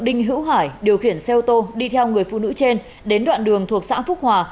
đinh hữu hải điều khiển xe ô tô đi theo người phụ nữ trên đến đoạn đường thuộc xã phúc hòa